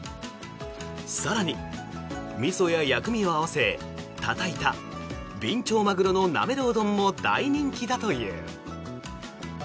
更にみそや薬味を合わせたたいたビンチョウマグロのなめろう丼も大人気だという。